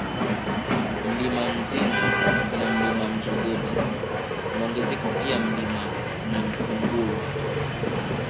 Mlima Mzinga na Mlima Mzogoti unaongezeka pia Mlima Nankungulu